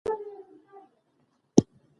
لیکوالان باید د ژبې د پرمختګ لپاره ژمن وي.